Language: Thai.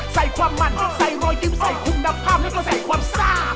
ใส่ความมันใส่รอยยิ้มใส่คุณดำภาพแล้วก็ใส่ความซ่า